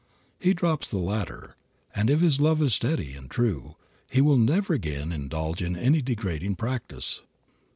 He drops the latter, and if his love is steady and true he will never again indulge in any degrading practice.